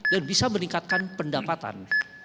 dan bisa meningkatkan pendapatan